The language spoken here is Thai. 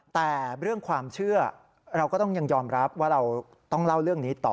แต่เรื่องความเชื่อเราก็ต้องยังยอมรับว่าเราต้องเล่าเรื่องนี้ต่อ